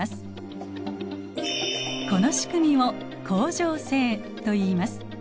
この仕組みを恒常性といいます。